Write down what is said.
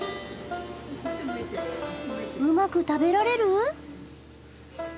うまく食べられる？